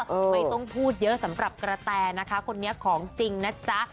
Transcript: ไม่ต้องพูดเยอะสำหรับกระแตนะคะคนนี้ของจริงนะจ๊ะ